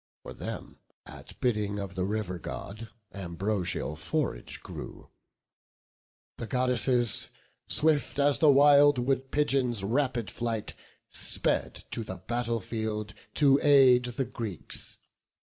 For them, at bidding of the river God, Ambrosial forage grew: the Goddesses, Swift as the wild wood pigeon's rapid flight, Sped to the battle field to aid the Greeks.